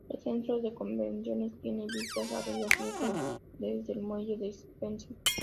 El centro de convenciones tiene vistas al río Liffey, desde el muelle de Spencer.